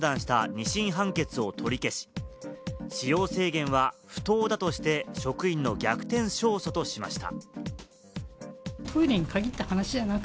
２審判決を取り消し、使用制限は不当だとして、職員の逆転勝訴としました。